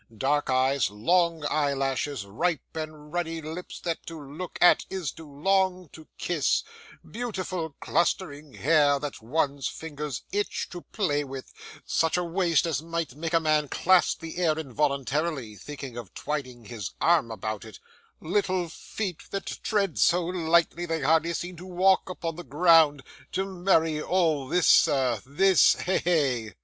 Dark eyes, long eyelashes, ripe and ruddy lips that to look at is to long to kiss, beautiful clustering hair that one's fingers itch to play with, such a waist as might make a man clasp the air involuntarily, thinking of twining his arm about it, little feet that tread so lightly they hardly seem to walk upon the ground to marry all this, sir, this hey, hey!